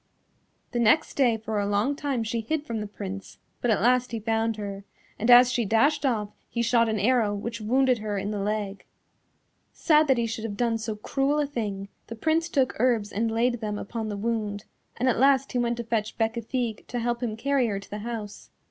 The next day for a long time she hid from the Prince, but at last he found her, and as she dashed off he shot an arrow which wounded her in the leg. Sad that he should have done so cruel a thing, the Prince took herbs and laid them upon the wound, and at last he went to fetch Bécafigue to help him carry her to the house.